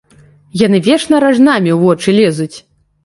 Яны вечна ражнамі ў вочы лезуць.